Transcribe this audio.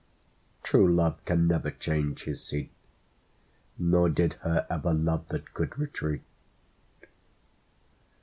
True love can never change his seat ; Nor did he ever love that can retreat.